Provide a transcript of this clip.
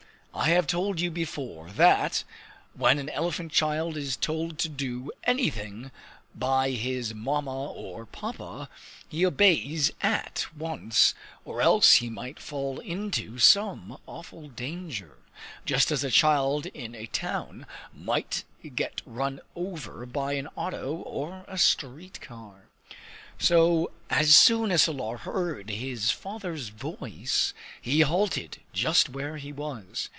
I have told you before that, when an elephant child is told to do anything by his Mamma or Papa, he obeys at once, or else he might fall into some awful danger just as a child in a town might get run over by an auto or a street car. So as soon as Salar heard his father's voice, he halted just where he was.